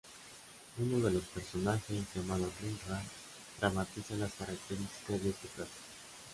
Uno de los personajes, llamado rin-ran, dramatiza las características de este plato.